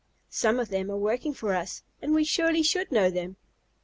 Some of them are working for us, and we surely should know them.